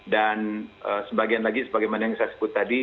dan sebagian lagi sebagaimana yang saya sebut tadi